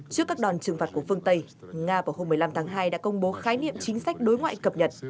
trước các đòn trừng phạt của phương tây nga vào hôm một mươi năm tháng hai đã công bố khái niệm chính sách đối ngoại cập nhật